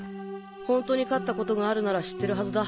ホントに飼ったことがあるなら知ってるはずだ。